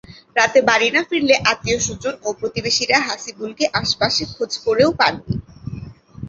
রাতে বাড়ি না ফিরলে আত্মীয়স্বজন ও প্রতিবেশীরা হাসিবুলকে আশপাশে খোঁজ করেও পাননি।